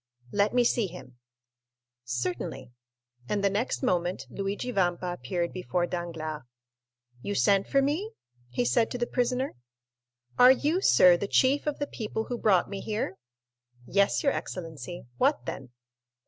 "Let me see him." "Certainly." And the next moment Luigi Vampa appeared before Danglars. "You sent for me?" he said to the prisoner. "Are you, sir, the chief of the people who brought me here?" "Yes, your excellency. What then?"